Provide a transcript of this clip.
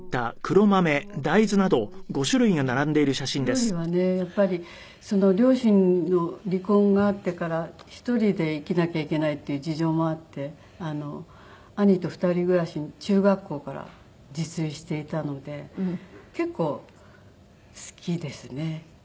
料理はねやっぱり両親の離婚があってから１人で生きなきゃいけないっていう事情もあって兄と２人暮らし中学校から自炊していたので結構好きですね。